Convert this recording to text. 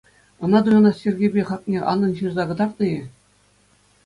Ӑна туянас йӗркепе хакне анлӑн ҫырса кӑтартнӑ-и?